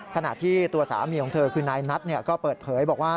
ขณะที่ตัวสามีของเธอคือนายนัทก็เปิดเผยบอกว่า